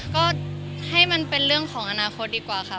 ก็ให้มันเป็นเรื่องของอนาคตดีกว่าค่ะ